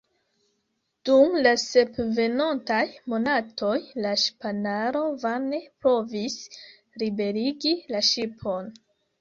Dum la sep venontaj monatoj la ŝipanaro vane provis liberigi la ŝipon.